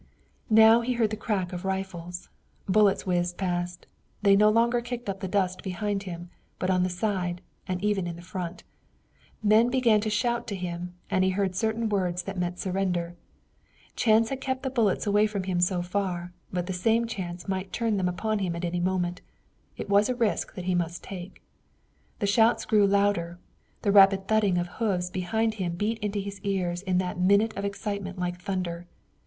Now he heard the crack of rifles. Bullets whizzed past. They no longer kicked up the dust behind him, but on the side, and even in front. Men began to shout to him, and he heard certain words that meant surrender. Chance had kept the bullets away from him so far, but the same chance might turn them upon him at any moment. It was a risk that he must take. The shouts grew louder. The rapid thudding of hoofs behind him beat on his ears in that minute of excitement like thunder.